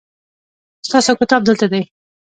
ستاسو کتاب دلته دی